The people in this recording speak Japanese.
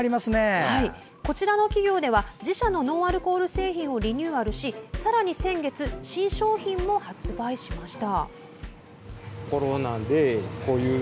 こちらの企業では自社のノンアルコール製品をリニューアルし、さらに先月新商品も発売しました。